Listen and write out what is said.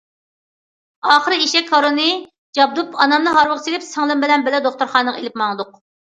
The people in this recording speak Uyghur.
ئاخىرى ئېشەك ھارۋىنى جابدۇپ ئانامنى ھارۋىغا سېلىپ، سىڭلىم بىلەن بىللە دوختۇرخانىغا ئېلىپ ماڭدۇق.